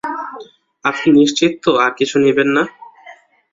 আপনি নিশ্চিত তো আর কিছু নিবেন না?